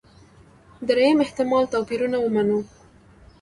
درېیم احتمال توپيرونه ومنو.